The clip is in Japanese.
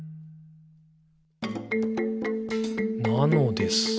「なのです。」